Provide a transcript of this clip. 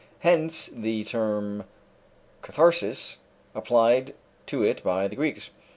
Hence the term katharsis applied to it by the Greeks.